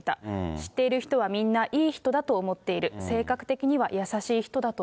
知っている人はみんな、いい人だと思っている。